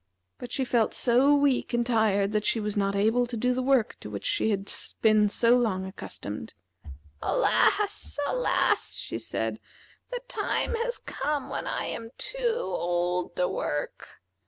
But she felt so weak and tired that she was not able to do the work to which she had been so long accustomed. "Alas! alas!" she said, "the time has come when I am too old to work.